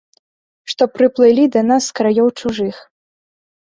Што прыплылі да нас з краёў чужых.